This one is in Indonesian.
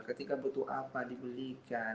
ketika butuh apa dibelikan